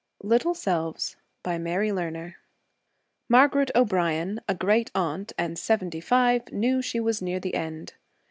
LITTLE SELVES BY MARY LERNER Margaret O'brien, a great aunt and seventy five, knew she was near the end.